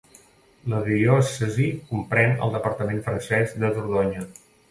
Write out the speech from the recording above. La diòcesi comprèn el departament francès de Dordonya.